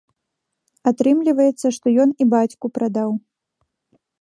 Атрымліваецца, што ён і бацьку прадаў.